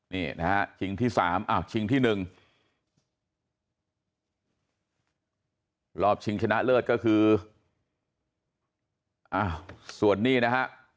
นี่นะฮะชิงที่สามอ้าวชิงที่หนึ่งรอบชิงชนะเลิศก็คืออ้าวส่วนนี้นะฮะ